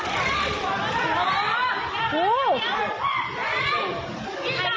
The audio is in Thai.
พี่ตายลูกไม่ตายแล้ว